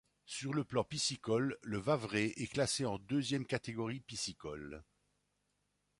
Sur le plan piscicole, le Vavret est classé en deuxième catégorie piscicole.